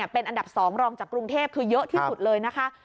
เป็นอันดับ๒รองจากกรุงเทพคือเยอะที่สุดเลยนะคะ